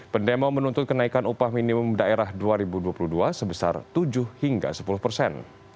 pendemo menuntut kenaikan upah minimum daerah dua ribu dua puluh dua sebesar tujuh hingga sepuluh persen